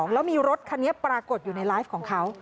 แล้วมีรถคันนี้ปรากฏอยู่ในไลฟ์ของเขา